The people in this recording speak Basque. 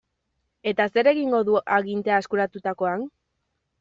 Eta zer egingo du agintea eskuratutakoan?